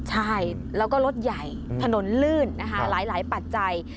ใช่แล้วก็รถใหญ่ถนนลื่นนะคะหลายปัจจัย